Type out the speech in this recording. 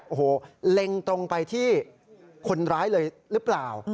โอ้โหเล็งตรงไปที่คนร้ายเลยหรือเปล่า